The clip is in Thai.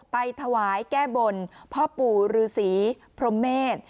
พ่อปู่รูสีพรมเมษ